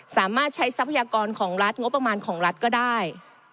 สามารถใช้ทรัพยากรของรัฐงบประมาณของรัฐก็ได้